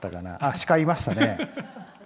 鹿いましたね。